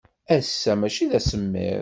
Ass-a, maci d asemmiḍ.